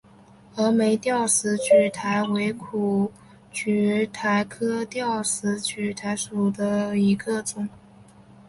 峨眉吊石苣苔为苦苣苔科吊石苣苔属下的一个种。